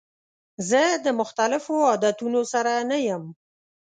زه د مختلفو عادتونو سره نه یم.